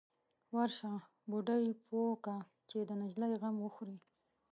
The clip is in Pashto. _ورشه، بوډۍ پوه که چې د نجلۍ غم وخوري.